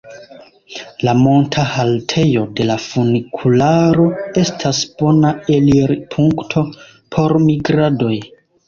La monta haltejo de la funikularo estas bona elirpunkto por migradoj.